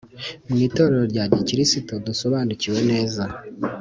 Mu itorero rya gikristo dusobanukiwe neza